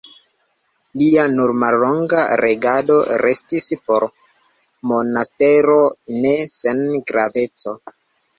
Lia nur mallonga regado restis por Monastero ne sen graveco.